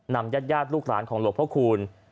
ญาติลูกหลานของหลวงพระคูณ